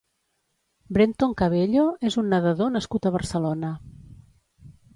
Brenton Cabello és un nedador nascut a Barcelona.